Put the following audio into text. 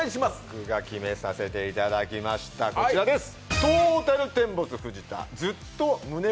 僕が決めさせていただきました、こちらです。